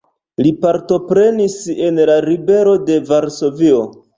Li partoprenis en la Ribelo de Varsovio.